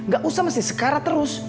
gak usah mesti sekarat terus